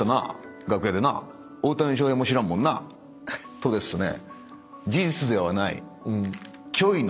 とですね。